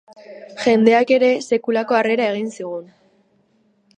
Jendeak ere sekulako harrera egin zigun.